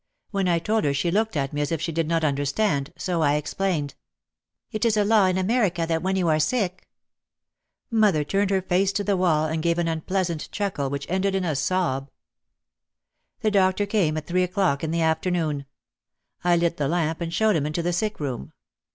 When I told her she looked at me as if she did not understand, so I explained : "It is a law in America that when you are sick ." Mother turned her face to the wall and gave an unpleas ant chuckle which ended in a sob. The doctor came at three o'clock in the afternoon. I lit the lamp and showed him into the sick room.